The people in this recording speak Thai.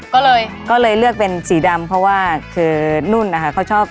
ก็เลยก็เลยเลือกเป็นสีดำเพราะว่าคือนุ่นนะคะเขาชอบ